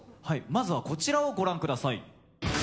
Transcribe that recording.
はいまずはこちらをご覧ください